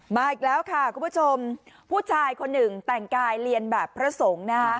มาอีกแล้วค่ะคุณผู้ชมผู้ชายคนหนึ่งแต่งกายเรียนแบบพระสงฆ์นะฮะ